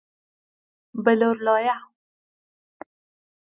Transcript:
بلورلایه